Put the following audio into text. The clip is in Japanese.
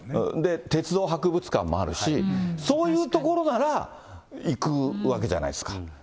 鉄道博物館もあるし、そういう所なら行くわけじゃないですか。